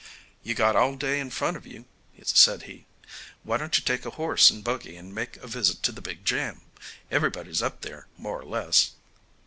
"You got all day in front of you," said he; "why don't you take a horse and buggy and make a visit to the big jam? Everybody's up there more or less."